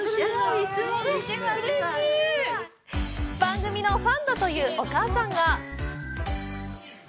番組のファンだというお母さんが。